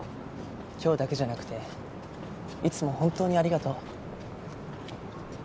今日だけじゃなくていつも本当にありがとう。